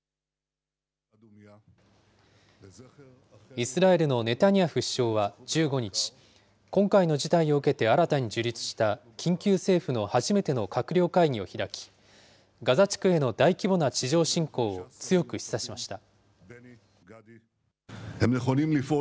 イスラエルのネタニヤフ首相は１５日、今回の事態を受けて新たに樹立した緊急政府の初めての閣僚会議を開き、ガザ地区への大規模な地上侵攻を強く示唆しました。